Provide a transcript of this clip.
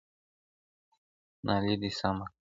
نالي دي سمه کړه.